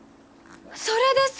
それです！